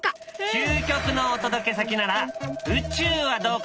究極のお届け先なら宇宙はどうかな？